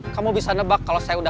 maual patroli terus